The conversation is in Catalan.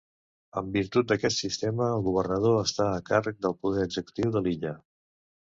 En virtut d'aquest sistema, el governador està a càrrec del poder executiu de l'illa.